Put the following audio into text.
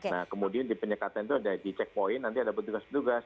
nah kemudian di penyekatan itu ada di checkpoint nanti ada petugas petugas